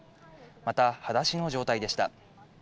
また、はだしの状態でした。